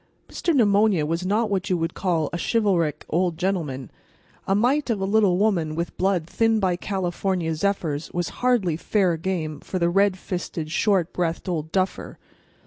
Mr. Pneumonia was not what you would call a chivalric old gentleman. A mite of a little woman with blood thinned by California zephyrs was hardly fair game for the red fisted, short breathed old duffer.